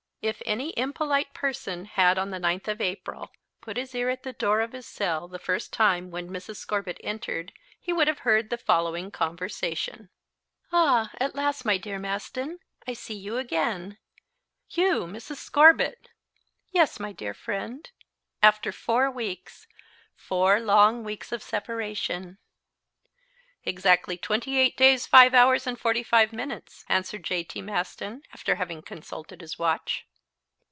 If any impolite person had on the 9th of April put his ear at the door of his cell the first time when Mrs. Scorbitt entered he would have heard the following conversation: "Ah, at last, my dear Maston, I see you again." "You, Mrs. Scorbitt!" "Yes, my dear friend, after four weeks four long weeks of separation." "Exactly twenty eight days, five hours and forty five minutes," answered J.T. Maston, after having consulted his watch.